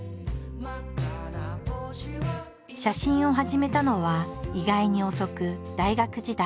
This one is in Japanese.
写真を始めたのは意外に遅く大学時代。